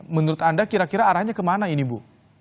menurut anda kira kira arahnya kemana ini bu